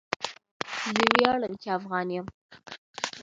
زه ویاړم چی افغان يم